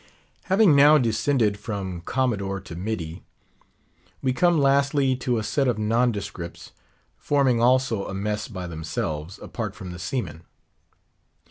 Having now descended from Commodore to Middy, we come lastly to a set of nondescripts, forming also a "mess" by themselves, apart from the seamen.